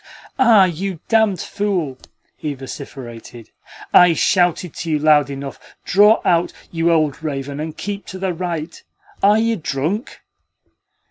"Ah, you damned fool!" he vociferated. "I shouted to you loud enough! Draw out, you old raven, and keep to the right! Are you drunk?"